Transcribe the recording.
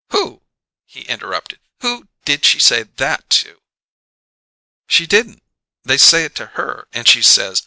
"Who?" he interrupted. "Who did she say that to?" "She didn't. They say it to her, and she says?